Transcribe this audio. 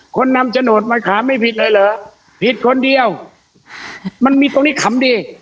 คนนำโฉนดมาขำไม่ผิดเลยเหรอผิดคนเดียวมันมีตรงนี้ขำดี